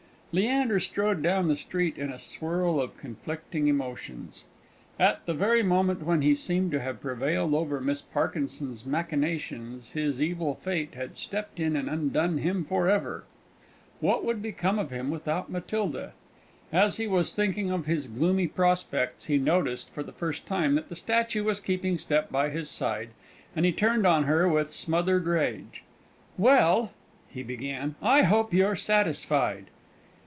_ Leander strode down the street in a whirl of conflicting emotions. At the very moment when he seemed to have prevailed over Miss Parkinson's machinations, his evil fate had stepped in and undone him for ever! What would become of him without Matilda? As he was thinking of his gloomy prospects, he noticed, for the first time, that the statue was keeping step by his side, and he turned on her with smothered rage. "Well," he began, "I hope you're satisfied?"